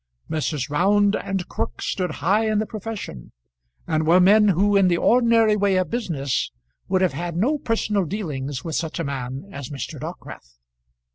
Messrs. Round and Crook stood high in the profession, and were men who in the ordinary way of business would have had no personal dealings with such a man as Mr. Dockwrath.